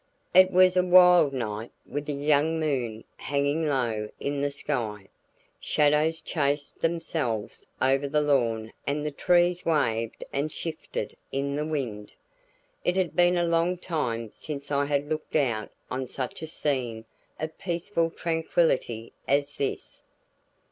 It was a wild night with a young moon hanging low in the sky. Shadows chased themselves over the lawn and the trees waved and shifted in the wind. It had been a long time since I had looked out on such a scene of peaceful tranquillity as this.